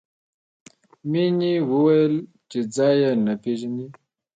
مینې وویل چې ځای یې نه پېژني